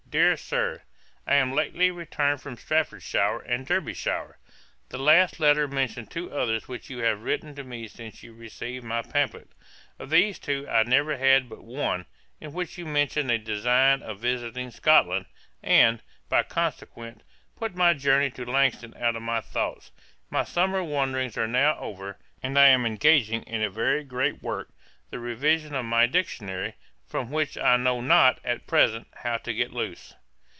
'DEAR SIR, 'I am lately returned from Staffordshire and Derbyshire. The last letter mentions two others which you have written to me since you received my pamphlet. Of these two I never had but one, in which you mentioned a design of visiting Scotland, and, by consequence, put my journey to Langton out of my thoughts. My summer wanderings are now over, and I am engaging in a very great work, the revision of my Dictionary; from which I know not, at present, how to get loose.